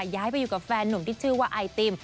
ย้ายไปอยู่กับแฟนหนุ่มที่ชื่อว่าไอติม